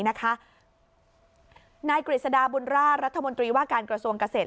นายกฤษฎาบุญราชรัฐมนตรีว่าการกระทรวงเกษตร